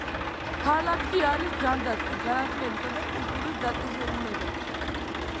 ქალაქში არის ჯანდაცვის, განათლებისა და კულტურის დაწესებულებები.